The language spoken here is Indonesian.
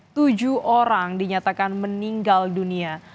tujuh orang dinyatakan meninggal dunia